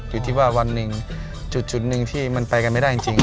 อยู่ที่ว่าวันหนึ่งจุดหนึ่งที่มันไปกันไม่ได้จริง